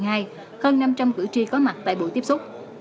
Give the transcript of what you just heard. hơn năm trăm linh cử tri có mặt tại buổi tiếp xúc